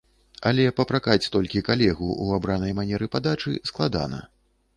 Але папракаць толькі калегу ў абранай манеры падачы складана.